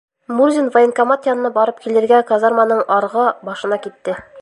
Мурзин военкомат янына барып килергә казарманың арғы башына китте.